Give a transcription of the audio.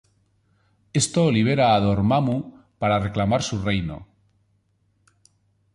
Esto libera a Dormammu para reclamar su reino.